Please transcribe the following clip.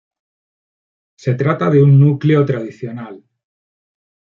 Se trata de un núcleo tradicional.